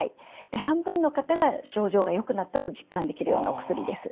で半分の方が症状がよくなったと実感できるようなお薬です。